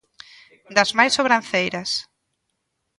Das máis sobranceiras.